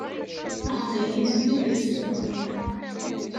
Taqbaylit d idles-nwen.